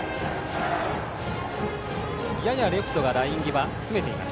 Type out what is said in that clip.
ややレフトがライン際に詰めています。